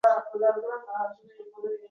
Odamlarni dog’da qoldirib ketdi.